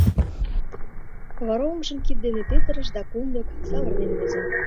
Вара оҥжым кид дене петырыш, да кумык савырнен возо.